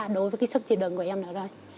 đối với cái sức chịu đựng của em đó rồi